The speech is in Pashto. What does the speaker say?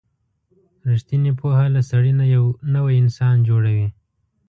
رښتینې پوهه له سړي نه یو نوی انسان جوړوي.